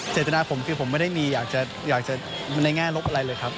เจตนาผมคือผมไม่ได้มีอยากจะในแง่ลบอะไรเลยครับ